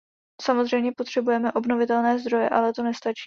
Samozřejmě potřebujeme obnovitelné zdroje, ale to nestačí.